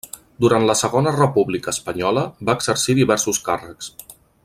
Durant la Segona República Espanyola va exercir diversos càrrecs.